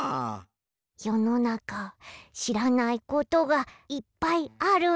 よのなかしらないことがいっぱいあるね。